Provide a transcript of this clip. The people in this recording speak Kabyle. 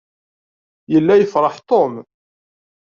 Yella yefṛeḥ Tom.